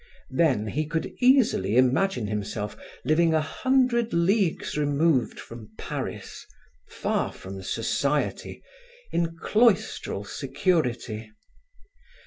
Then he could easily imagine himself living a hundred leagues removed from Paris, far from society, in cloistral security.